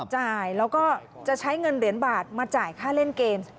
จ่ายแล้วก็จะใช้เงินเหรียญบาทมาจ่ายค่าเล่นเกม